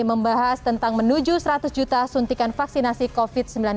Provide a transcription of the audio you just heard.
membahas tentang menuju seratus juta suntikan vaksinasi covid sembilan belas